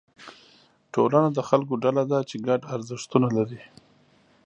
ټولنه د خلکو ډله ده چې ګډ ارزښتونه لري.